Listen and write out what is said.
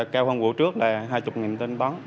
cao hơn vụ trước là hai mươi tên tấn